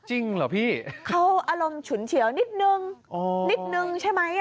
จริงเหรอพี่เขาอารมณ์ฉุนเฉียวนิดนึงนิดนึงใช่ไหม